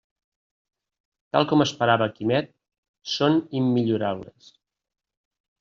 Tal com esperava Quimet, són immillorables.